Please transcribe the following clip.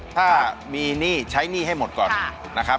ถ้ามีหนี้ใช้หนี้ให้หมดก่อนนะครับ